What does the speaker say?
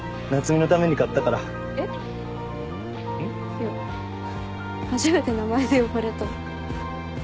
いや初めて名前で呼ばれた。